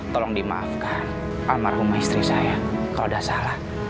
tolong dimaafkan almarhum istri saya kalau tidak salah